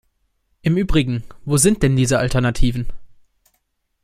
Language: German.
Im Übrigen: Wo sind denn diese Alternativen?